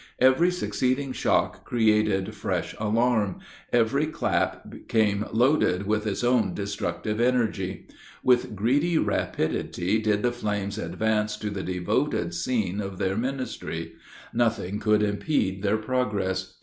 Every succeeding shock created fresh alarm; every clap came loaded with its own destructive energy. With greedy rapidity did the flames advance to the devoted scene of their ministry; nothing could impede their progress.